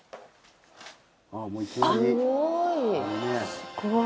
すごい。